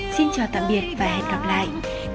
xin chào tạm biệt và hẹn gặp lại